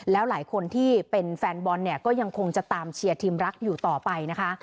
แล้วหลายคนที่เป็นแฟนบอลเนี่ยก็ยังคงจะตามเชียร์ทีมรักอยู่ต่อไปนะคะ